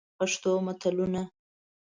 پښتو متلونه: